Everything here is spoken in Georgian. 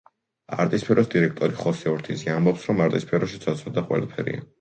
არტისფეროს დირექტორი, ხოსე ორთიზი ამბობს, რომ არტისფეროში ცოტ-ცოტა ყველაფერია.